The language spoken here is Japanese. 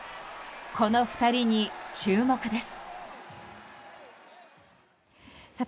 この２人に注目です。